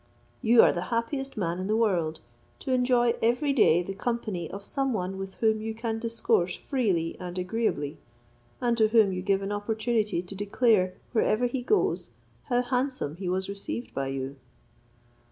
You are the happiest man in the world, to enjoy every day the company of some one with whom you can discourse freely and agreeably, and to whom you give an opportunity to declare, wherever he goes, how handsome he was received by you.